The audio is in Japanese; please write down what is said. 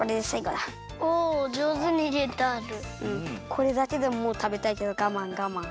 これだけでももうたべたいけどがまんがまん。